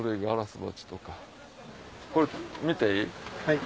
これ見ていい？